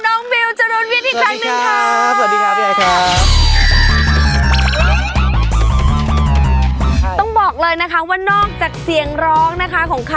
ยอมขอต้อนรับนะคะน้องบิวจรุนวิทย์อีกครั้งหนึ่งค่ะ